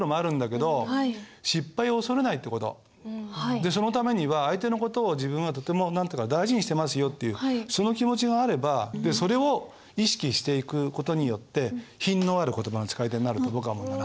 でそのためには相手の事を自分がとても大事にしてますよっていうその気持ちがあればそれを意識していく事によって品のある言葉の使い手になると僕は思うんだな。